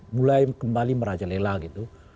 mulai kembali merajalela gitu